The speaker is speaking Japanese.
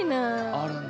あるんだ。